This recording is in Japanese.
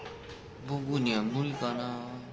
僕には無理かなあ。